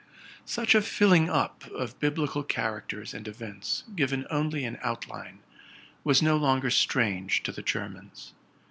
Such a filling up of biblical characters and events given only in outline, was no longer strange to the Germans.